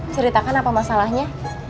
ceritakan apa masalahnya